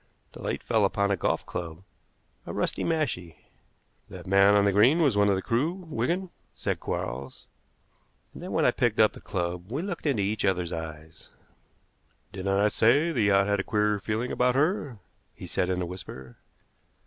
The light fell upon a golf club a rusty mashie. "That man on the green was one of the crew, Wigan," said Quarles; and then when I picked up the club we looked into each other's eyes. "Did I not say the yacht had a queer feeling about her?" he said in a whisper.